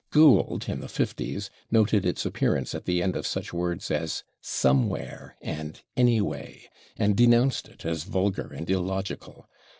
Gould, in the 50's, noted its appearance at the end of such words as /somewhere/ and /anyway/, and denounced it as vulgar and illogical.